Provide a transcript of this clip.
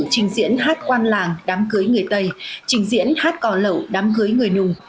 trình diễn hát quan làng đám cưới người tây trình diễn hát cò lẩu đám cưới người nùng